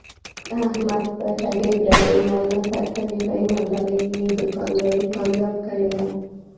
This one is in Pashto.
احمد په ټګۍ برگۍ مال نه خرڅوي. په ایماندارۍ یې دوکانداري کامیاب کړې ده.